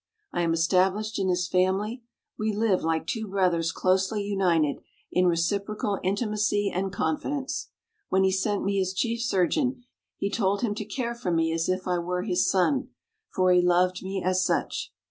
I am established in his family; we live like two brothers closely united, in reciprocal intimacy and confidence. When he sent me his chief surgeon, he told him to care for me as if I were his son, for he loved me as such."